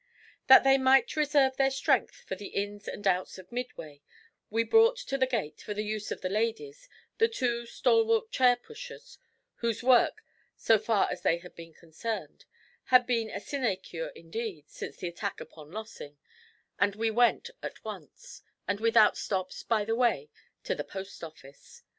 That they might reserve their strength for the ins and outs of Midway, we brought to the gate, for the use of the ladies, the two stalwart chair pushers, whose work, so far as they had been concerned, had been a sinecure indeed since the attack upon Lossing, and we went at once, and without stops by the way, to the post office.